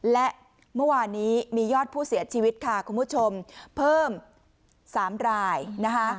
และเมื่อวานนี้มียอดผู้เสียชีวิตค่ะคุณผู้ชมเพิ่ม๓รายนะคะ